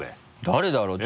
誰だろう？